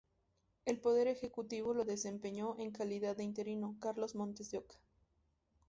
El Poder Ejecutivo lo desempeñó, en calidad de interino, Carlos Montes de Oca.